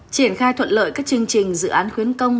triển khai thuận lợi các chương trình dự án khuyến công